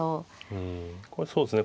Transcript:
うんそうですね